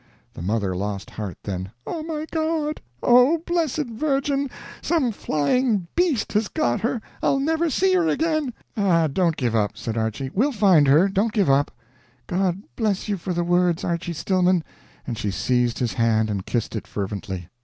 The mother lost heart then. "Oh, my God! oh, blessed Virgin! some flying beast has got her. I'll never see her again!" "Ah, don't give up," said Archy. "We'll find her don't give up." "God bless you for the words, Archy Stillman!" and she seized his hand and kissed it fervently.